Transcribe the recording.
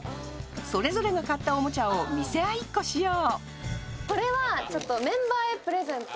それぞれの買ったおもちゃを見せ合いっこしよう！